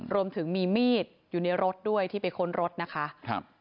รวมถึงมีมีดอยู่ในรถด้วยที่ไปค้นรถนะคะครับ